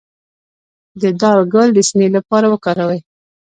د دال ګل د سینې لپاره وکاروئ